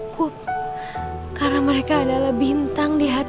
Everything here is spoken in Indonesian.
tapi sekarang malah ngihindar